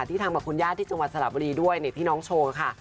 ที่ทางบัตรคุณญาติที่จังหวัดสหรับบรีด้วยที่น้องโชว์ค่ะ